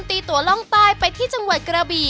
ตีตัวล่องใต้ไปที่จังหวัดกระบี่